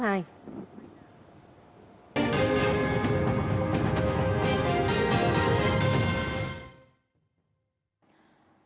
kính chào các bạn